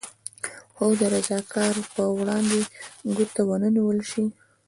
خو د رضاکارو پر وړاندې ګوته ونه نېول شي.